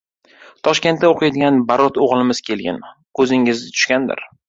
Toshkentda o‘qiydigan Barot o‘g‘limiz kelgan, ko‘zingiz tushgandir.